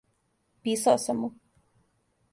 Писао сам му.